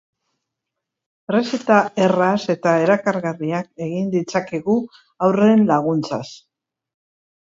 Errezeta erraz eta erakargarriak egin ditzakegu haurren laguntzaz.